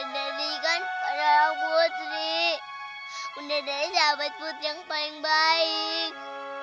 dari kan padahal putri bunda dari sahabat putri yang paling baik